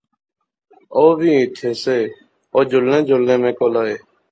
اووی ایتھیں سے، او جلنے جلنے میں کول آئے